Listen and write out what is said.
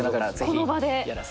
この場で？